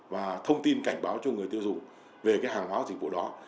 và thông tin cảnh báo cho người tiêu dùng về cái hàng hóa dịch vụ đó